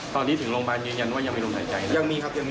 ตอนนี้ถึงโรงพยาบาลยืนยันว่ายังมีลมหายใจ